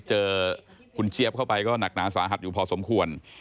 เจอคุณเจี๊ยบเข้าไปก็หนักหนาสาหัสอยู่พอสมควร